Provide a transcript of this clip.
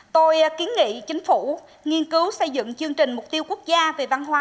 tôi kiến nghị chính phủ nghiên cứu xây dựng chương trình mục tiêu quốc gia về văn hóa